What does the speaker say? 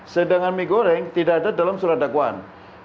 sedangkan mie goreng tidak ada dalam surat dakwaan